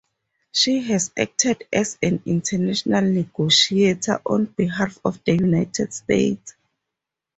She has acted as an international negotiator on behalf of the United States.